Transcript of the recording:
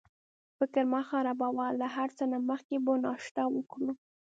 فکر مه خرابوه، له هر څه نه مخکې به ناشته وکړو.